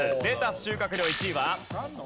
レタス収穫量１位は？